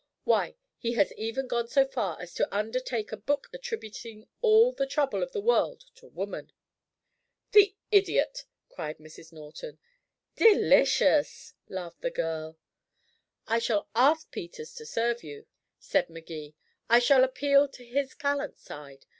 Why, he has even gone so far as to undertake a book attributing all the trouble of the world to woman." "The idiot!" cried Mrs. Norton. "Delicious!" laughed the girl. "I shall ask Peters to serve you," said Magee. "I shall appeal to his gallant side.